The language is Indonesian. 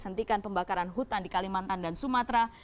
hentikan pembakaran hutan di kalimantan dan sumatera